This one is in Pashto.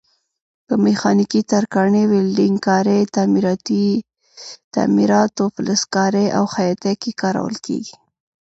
په میخانیکي، ترکاڼۍ، ویلډنګ کارۍ، تعمیراتو، فلزکارۍ او خیاطۍ کې کارول کېږي.